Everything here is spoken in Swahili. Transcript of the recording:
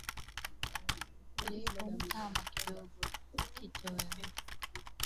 ulezi na mtama kidogo Kitoweo cha vyakula hivyo ni maharage samaki nyama na jamii